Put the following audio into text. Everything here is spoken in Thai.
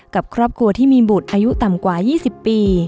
กับครอบครัวที่มีบุตรอายุต่ำกว่า๒๐ปี